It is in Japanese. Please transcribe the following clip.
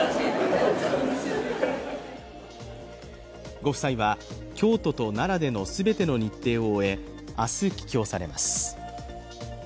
ご夫妻は京都と奈良での全ての日程を終え、明日、帰京されます。